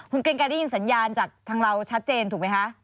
คุณเกรงไกรได้ยินสัญญาณจากทางเราชัดเจนถูกไหมคะ